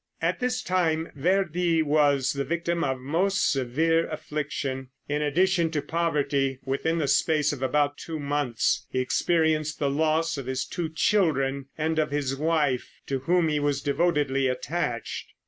At this time Verdi was the victim of most severe affliction. In addition to poverty, within the space of about two months he experienced the loss of his two children and of his wife, to whom he was devotedly attached.